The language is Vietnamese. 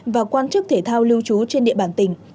và quan chức thể thao lưu trú trên địa bàn tỉnh